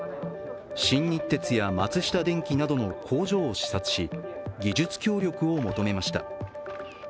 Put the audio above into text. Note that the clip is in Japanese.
新日鉄や松下電器などの工場を視察し技術協力を求めました。